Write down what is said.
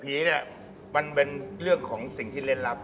เนี่ยมันเป็นเรื่องของสิ่งที่เล่นลับ